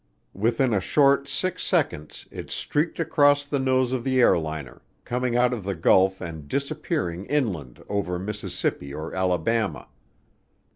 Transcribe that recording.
Within a short six seconds it streaked across the nose of the airliner, coming out of the Gulf and disappearing inland over Mississippi or Alabama.